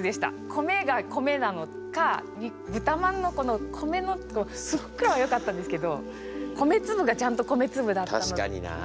米が米なのかブタまんのこの米のふっくらはよかったんですけど米粒がちゃんと米粒だったのが。